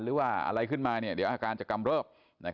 หรือว่าอะไรขึ้นมาเดี๋ยวอาการจะกำเริบ